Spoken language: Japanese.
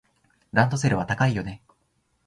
ランドセルは高いよね。